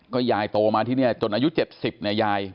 ยายโตมาที่นี่จนอายุ๗๐เนี่ยยาย